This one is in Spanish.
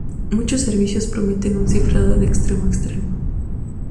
Muchos servicios prometen un cifrado "de extremo a extremo"